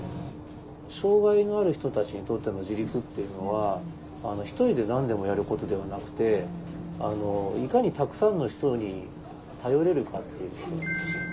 障害のある人たちにとっての自立っていうのはひとりで何でもやることではなくていかにたくさんの人に頼れるかっていうことなんですよ。